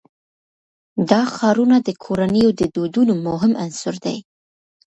دا ښارونه د کورنیو د دودونو مهم عنصر دی.